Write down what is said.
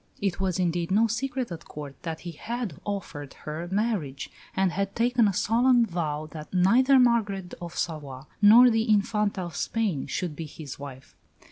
It was, indeed, no secret at Court that he had offered her marriage, and had taken a solemn vow that neither Margaret of Savoy nor the Infanta of Spain should be his wife.